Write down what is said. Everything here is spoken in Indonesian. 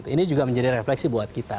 ini juga menjadi refleksi buat kita